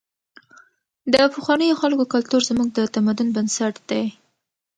د پخوانیو خلکو کلتور زموږ د تمدن بنسټ دی.